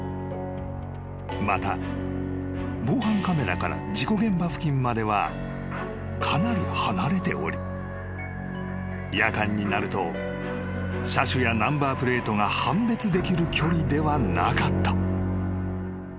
［また防犯カメラから事故現場付近まではかなり離れており夜間になると車種やナンバープレートが判別できる距離ではなかった］